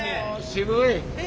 渋い。